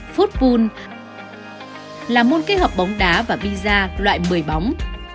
football là môn kết hợp bóng đá và pizza loại một mươi bóng